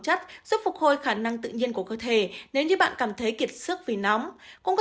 chất giúp phục hồi khả năng tự nhiên của cơ thể nếu như bạn cảm thấy kiệt sức vì nóng cũng có